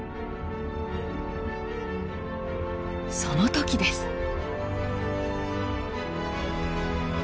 その時です。